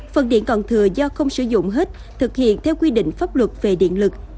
phần điện còn thừa do không sử dụng hết thực hiện theo quy định pháp luật về điện lực